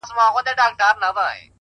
خپل وخت د خپلو ارزښتونو لپاره وکاروئ،